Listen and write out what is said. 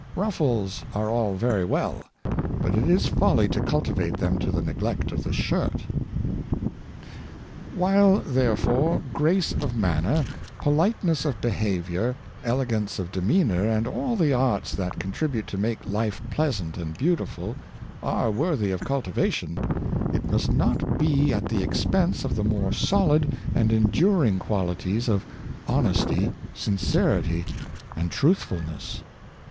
Ruf fles are all very vv^ell, but it is folly to cultivate them to the neglect of the shirt. While, therefore, grace of manner, politeness of be havior, elegance of demeanor, and all the arts that con tribute to make life pleasant and beautiful, are worthy of cultivation, it must not be at the expense of the more solid and enduring qualities of honesty, sincerity, and truthfulness.